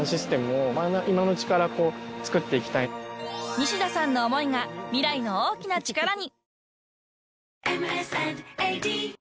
［西田さんの思いが未来の大きな力に］